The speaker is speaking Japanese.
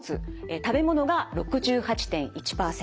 食べ物が６８．１％。